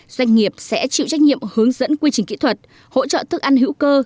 doanh nghiệp sẽ chịu trách nhiệm hướng dẫn quy trình kỹ thuật hỗ trợ thức ăn hữu cơ